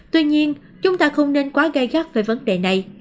tuy nhiên chúng ta không nên quá gây gắt về vấn đề này